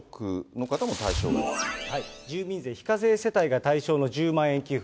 住民税非課税世帯が対象の１０万円給付。